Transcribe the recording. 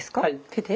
手で？